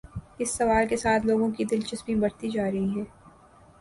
اس سوال کے ساتھ لوگوں کی دلچسپی بڑھتی جا رہی ہے۔